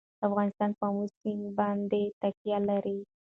افغانستان په آمو سیند باندې تکیه لري.